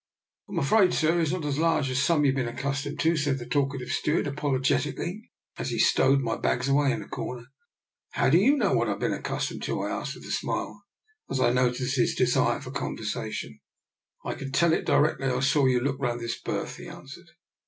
" Fm afraid, sir, it's not as large as some you've been accustomed to," said the talka tive steward, apologetically, as he stowed my bags away in a corner. " How do you know what I've been ac DR. NIKOLA'S EXPERIMENT. n customed to? " I asked, with a smile, as I noticed his desire for conversation. " I could tell it directly I saw you look round this berth," he answered.